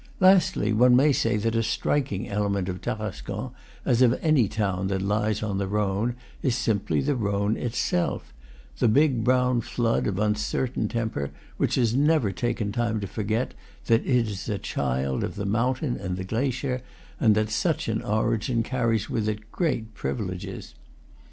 Lastly, one may say that a striking element of Tarascon, as of any town that lies on the Rhone, is simply the Rhone itself: the big brown flood, of uncertain temper, which has never taken time to forget that it is a child of the mountain and the glacier, and that such an origin carries with it great privileges.